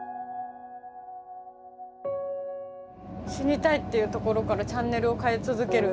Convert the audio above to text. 死にたいっていうところからチャンネルを変え続ける。